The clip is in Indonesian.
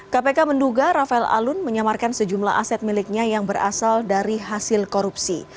kpk menduga rafael alun menyamarkan sejumlah aset miliknya yang berasal dari hasil korupsi